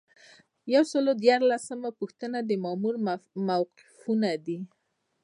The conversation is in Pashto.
یو سل او دیارلسمه پوښتنه د مامور موقفونه دي.